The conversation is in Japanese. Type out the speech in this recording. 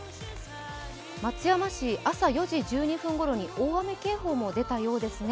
松山市、朝４時１２分ごろに大雨警報も出たようですね。